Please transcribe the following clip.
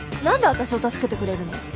何で私を助けてくれるの？